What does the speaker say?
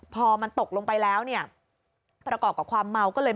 พอมันตกลงไปแล้วเนี่ยประกอบกับความเมาก็เลย